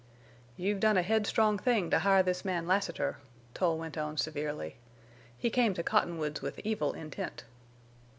"You've done a headstrong thing to hire this man Lassiter," Tull went on, severely. "He came to Cottonwoods with evil intent."